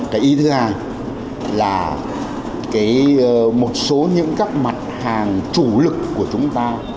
cái ý thứ hai là một số những các mặt hàng chủ lực của chúng ta